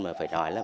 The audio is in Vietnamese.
mà phải nói là